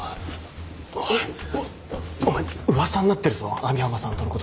おいお前うわさになってるぞ網浜さんとのこと。